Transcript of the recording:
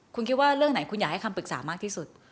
คุณคิดว่าเรื่องไหนคุณอยากให้คำปรึกษามากที่สุด